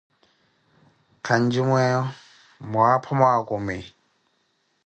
Kanju meeyo, mwiwaapho mwaakumi?